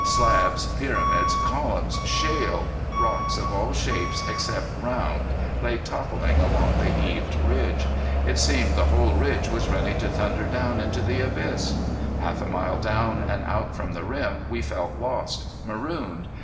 Slabs, pyramids, columns, shale, rocks of all shapes except round, lay toppling along the heaved ridge. It seemed the whole ridge was ready to thunder down into the abyss. Half a mile down and out from the rim we felt lost, marooned.